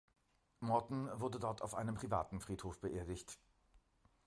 Morton wurde dort auf einem privaten Friedhof beerdigt.